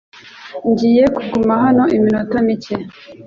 Ngiye kuguma hano iminota mike.